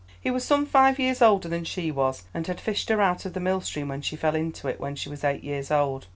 He was some five years older than she was, and had fished her out of the mill stream when she fell into it, when she was eight years old.